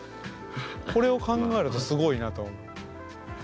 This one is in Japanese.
これを考えるとすごいなと思う。